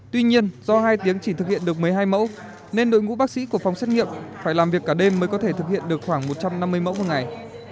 tuy nhiên do hai tiếng chỉ thực hiện được một mươi hai mẫu nên đội ngũ bác sĩ của phòng xét nghiệm phải làm việc cả đêm mới có thể thực hiện được khoảng một trăm năm mươi mẫu một ngày